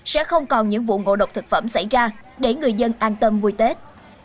sẽ không còn những vụ ngộ độc thực phẩm xảy ra để người dân an tâm vui tết